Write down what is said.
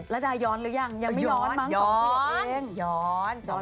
แล้วได้ย้อนหรือยังยังไม่ย้อนมั้ง